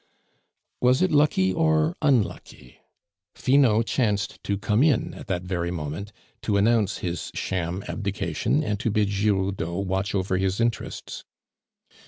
Was it lucky or unlucky? Finot chanced to come in at that very moment to announce his sham abdication and to bid Giroudeau watch over his interests.